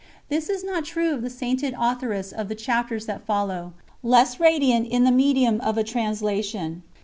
This is not true of the sainted authoress of the chapters that follow "less radiant," in the medium of a translation.